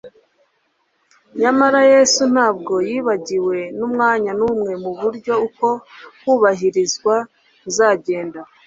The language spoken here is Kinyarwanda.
Nyamara Yesu ntabwo yibagiwe n'umwanya n'umwe uburyo uko kubahirizwa kuzagenda.